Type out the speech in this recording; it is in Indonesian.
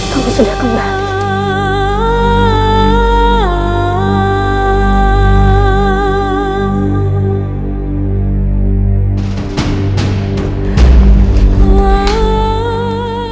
kamu sudah kembali